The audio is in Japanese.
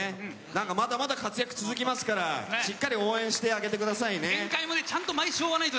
まだまだ活躍が続きますからしっかり応援してあげてください。